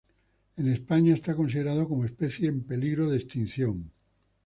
En España está considerado como especie en peligro de extinción.